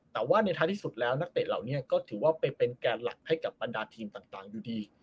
แต่ว่าในท้ายที่สุดแล้วนักเตะเหล่านี้ก็ถือว่าไปเป็นแกนหลักให้กับบรรดาทีมต่างอยู่ดี